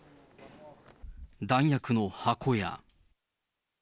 弾薬の箱や。